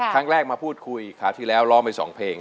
ครั้งแรกมาพูดคุยคราวที่แล้วร้องไปสองเพลง